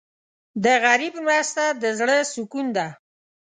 د غریب مرسته د زړه سکون ده.